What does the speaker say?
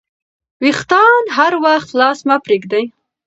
وېښتان هر وخت خلاص مه پریږدئ.